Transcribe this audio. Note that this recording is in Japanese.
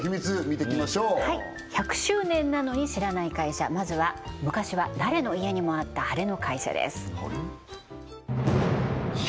見てきましょう１００周年なのに知らない会社まずは昔は誰の家にもあったアレの会社です